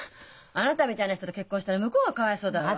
あなたみたいな人と結婚したら向こうがかわいそうだわ。